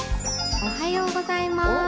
おはようございます。